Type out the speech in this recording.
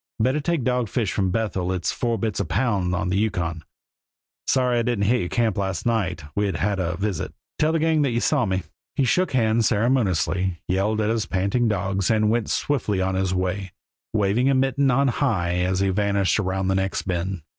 Better take dogfish from Bethel it's four bits a pound on the Yukon. Sorry I didn't hit your camp last night; we'd 'a' had a visit. Tell the gang that you saw me." He shook hands ceremoniously, yelled at his panting dogs, and went swiftly on his way, waving a mitten on high as he vanished around the next bend.